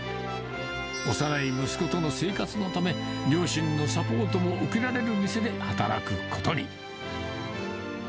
幼い息子との生活のため、両親のサポートも受けられる店で働くことに。